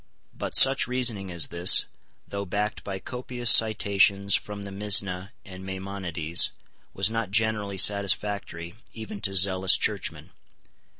But such reasoning as this, though backed by copious citations from the Misna and Maimonides, was not generally satisfactory even to zealous churchmen.